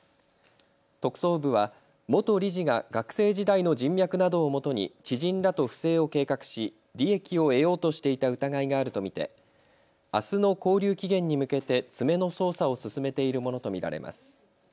特捜部は元理事が学生時代の人脈などをもとに知人らと不正を計画し利益を得ようとしていた疑いがあると見てあすの勾留期限に向けて詰めの捜査を進めているものと見られます。